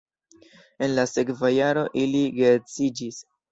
En la sekva jaro ili geedziĝis.